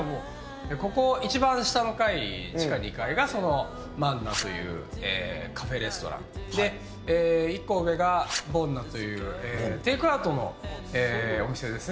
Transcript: ここの一番下の階地下２階がＭａｎｎａというカフェレストランで１個上がＢｏｎｎａというテイクアウトのお店ですね。